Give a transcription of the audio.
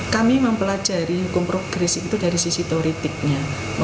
kami mempelajari hukum progres itu dari sisi teoretiknya